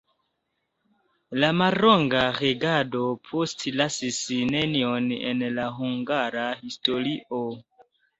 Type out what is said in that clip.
La mallonga regado postlasis nenion en la hungara historio.